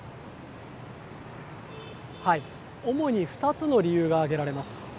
主に２つの理由が挙げられます。